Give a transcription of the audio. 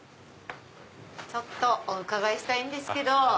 ちょっとお伺いしたいんですけど。